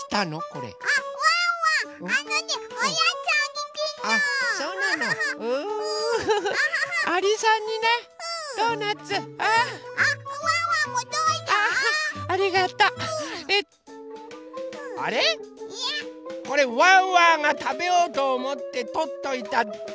これワンワンがたべようとおもってとっといたおやつでしょ？